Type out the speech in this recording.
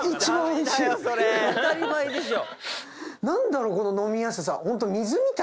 何だろう？